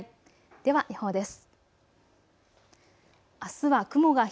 では予報です。